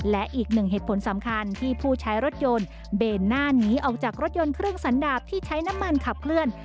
และอีกหนึ่งเหตุผลสำคัญที่ผู้ใช้รถยนต์เบนหน้าหนีออกจากรถยนต์เครื่องสันดาบที่ใช้น้ำมันขับเคลื่อน